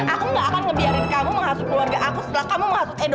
aku gak akan ngebiarin kamu menghasut keluarga aku setelah kamu menghasut edo